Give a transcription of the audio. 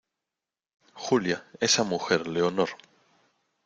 Julia, esa mujer , Leonor